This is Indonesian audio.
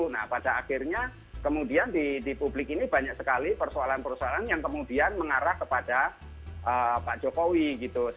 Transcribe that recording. nah pada akhirnya kemudian di publik ini banyak sekali persoalan persoalan yang kemudian mengarah kepada pak jokowi gitu